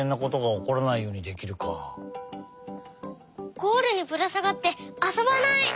ゴールにぶらさがってあそばない。